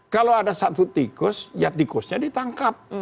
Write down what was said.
kalau ada satu tikus ya tikusnya ditangkap